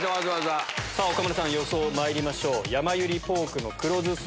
岡村さん予想まいりましょう。